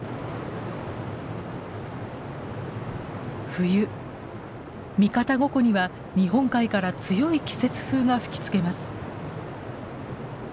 冬三方五湖には日本海から強い季節風が吹きつけます。